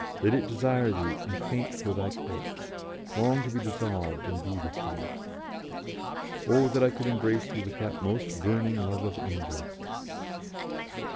Let it desire Thee and faint for Thy courts; long to be dissolved and be with Thee." "Oh, that I could embrace Thee with that most burning love of angels."